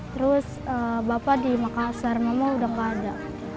terus bapak dimakan asar mama udah nggak ada